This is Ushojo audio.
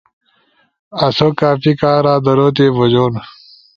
آسو کافی کارا درو تی بجُون